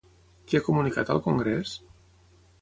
Què ha comunicat al congrés?